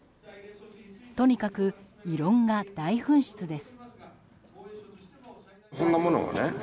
とにかく異論がが大噴出です。